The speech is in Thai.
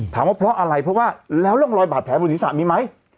ว่าเพราะอะไรเพราะว่าแล้วร่องรอยบาดแผลบนศีรษะมีไหม